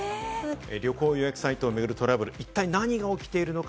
旅行予約サイトを巡るトラブル、一体何が起きているのか？